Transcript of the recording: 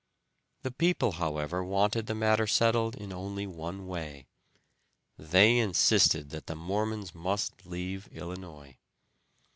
The people, however, wanted the matter settled in only one way. They insisted that the Mormons must leave Illinois.